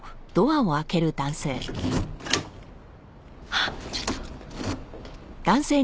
あっちょっと！